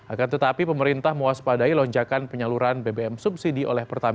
akan tetapi pemerintah muas padai lonjakan penyaluran bbm subsidi oleh pertalite